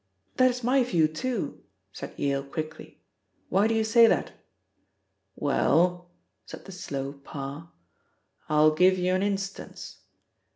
"That is my view, too," said Yale quickly. "Why do you say that?" "Well," said the slow Parr, "I'll give you an instance.